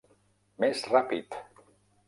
Més ràpid!